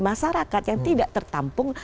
masyarakat yang tidak tertampung